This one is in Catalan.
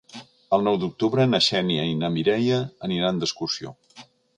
El nou d'octubre na Xènia i na Mireia aniran d'excursió.